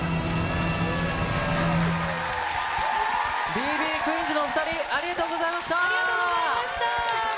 Ｂ．Ｂ．クィーンズのお２人、ありがとうございました。